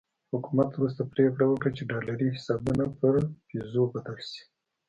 حکومت وروسته پرېکړه وکړه چې ډالري حسابونه پر پیزو بدل شي.